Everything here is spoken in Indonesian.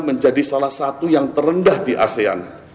menjadi salah satu yang terendah di asean